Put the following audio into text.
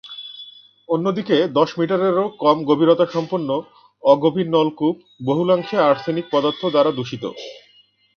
অন্যদিকে দশ মিটারেরও কম গভীরতাসম্পন্ন অগভীর নলকূপ বহুলাংশে আর্সেনিক পদার্থ দ্বারা দূষিত।